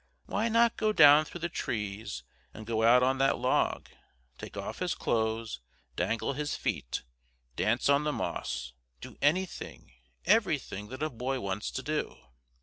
Why not go down through the trees and go out on that log, take off his clothes, dangle his feet, dance on the moss, do anything, everything that a boy wants to do?